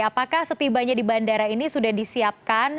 apakah setibanya di bandara ini sudah disiapkan